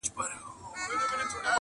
دعوه ګیر وي ور سره ډېري پیسې وي,